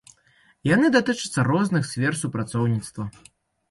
Яны датычацца розных сфер супрацоўніцтва.